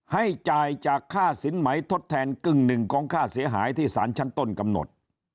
ให้จ่ายจากค่าสินไหมทดแทนกึ่งหนึ่งของค่าเสียหายที่สารชั้นต้นกำหนด